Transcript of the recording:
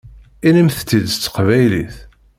Inimt-t-id s teqbaylit!